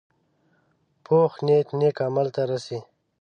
پوخ نیت نیک عمل ته رسي